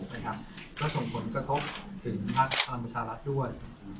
และส่งผลกระทบถึงภาคพลังประชารัฐด้วย